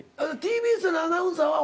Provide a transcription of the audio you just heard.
ＴＢＳのアナウンサーは。